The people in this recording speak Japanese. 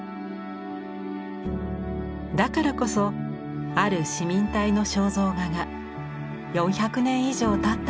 だからこそある市民隊の肖像画が４００年以上たった